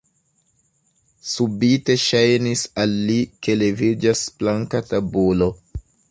Subite ŝajnis al li, ke leviĝas planka tabulo.